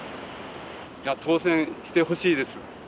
当選してほしいです。